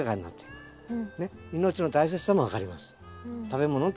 食べ物の大切さも分かります。